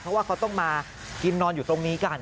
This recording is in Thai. เพราะว่าเขาต้องมากินนอนอยู่ตรงนี้กัน